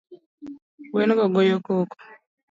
Gwen go goyo koko